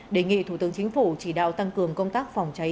đề nghị thủ tướng chính phủ chỉ đạo tăng cường công tác phòng cháy